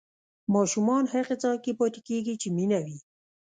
ماشومان هغه ځای کې پاتې کېږي چې مینه وي.